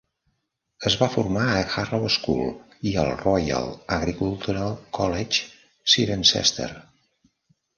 Es va formar a Harrow School i al Royal Agricultural College, Cirencester.